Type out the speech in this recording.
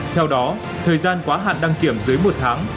theo đó thời gian quá hạn đăng kiểm dưới một tháng